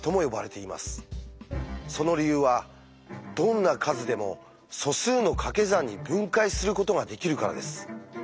その理由はどんな数でも素数の掛け算に分解することができるからです。